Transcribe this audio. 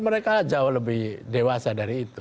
mereka jauh lebih dewasa dari itu